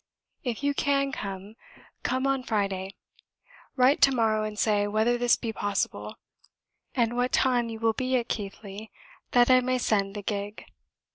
If you CAN come, come on Friday. Write to morrow and say whether this be possible, and what time you will be at Keighley, that I may send the gig.